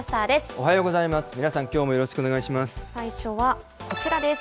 おはようございます。